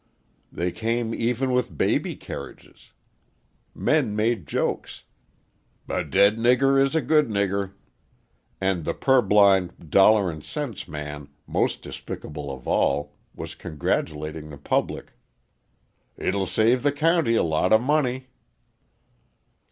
They came even with baby carriages! Men made jokes: "A dead nigger is a good nigger." And the purblind, dollars and cents man, most despicable of all, was congratulating the public: "It'll save the county a lot of money!"